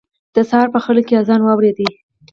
د سهار په خړه کې يې اذان واورېد.